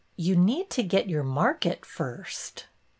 You need to get your market first."